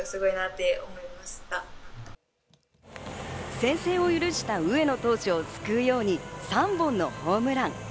先制を許した上野投手をすくうように３本のホームラン。